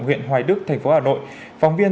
huyện hoài đức tp hà nội phóng viên